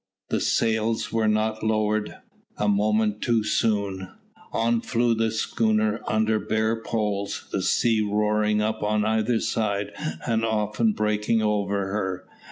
The sails were not lowered a moment too soon. On flew the schooner under bare poles, the seas roaring up on either side, and often breaking over her.